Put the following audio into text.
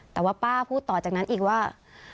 แต่ว่าป้าพูดต่อจากนั้นอีกว่า